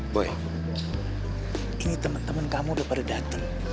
boy ini temen temen kamu udah pada datang